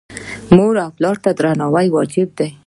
مور او پلار ته درناوی واجب دی